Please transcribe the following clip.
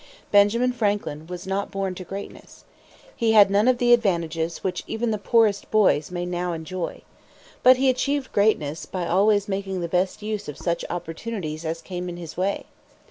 Benjamin Franklin was not born to greatness. He had none of the advantages which even the poorest boys may now enjoy. But he achieved greatness by always making the best use of such opportunities as came in his way.